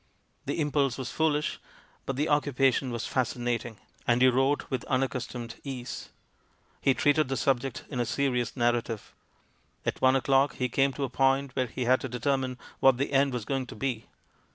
The impulse was foolish, but the occupa tion was fascinating, and he wrote with unaccus tomed ease. He treated the subject in a serious narrative. At one o'clock he came to a point where he had to determine what the end was going to be.